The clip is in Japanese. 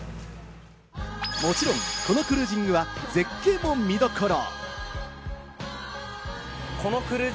もちろんこのクルージングは絶景も見どころ。